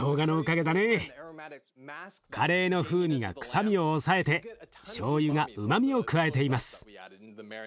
カレーの風味が臭みを抑えてしょうゆがうまみを加えています。